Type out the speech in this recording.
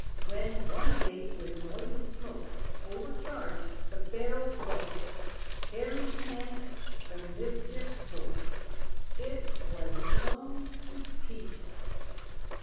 When, one day, with noise and smoke, Over charged, the barrel broke, Harry's hand the mischief spoke It was blown to pieces!